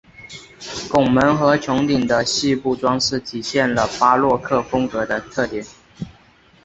拱门和穹顶的细部装饰体现了巴洛克风格的特点。